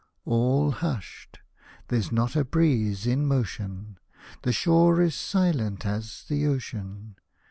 All hushed — there's not a breeze in motion ; The shore is silent as the ocean.